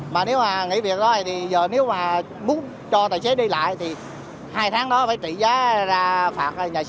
mà nếu mà nghỉ việc đó thì giờ nếu mà muốn cho tài xế đi lại thì hai tháng đó phải trị giá ra phạt nhà xe